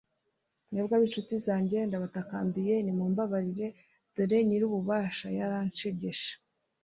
mwebwe ab'incuti zanjye, ndabatakambiye, nimumbabarire, dore nyir'ububasha yaranshegeshe